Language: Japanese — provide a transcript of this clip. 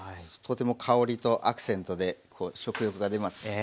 とても香りとアクセントで食欲が出ます。